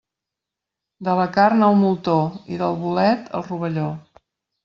De la carn, el moltó, i del bolet el rovelló.